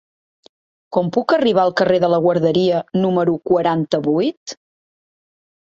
Com puc arribar al carrer de la Guarderia número quaranta-vuit?